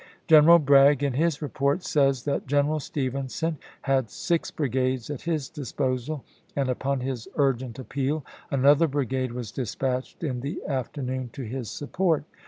Greneral Bragg, in his report, says that General Stevenson had six bri gades at his disposal, and, upon his urgent appeal, xxxL? ■ another brigade was dispatched in the afternoon to p. 664.' his support.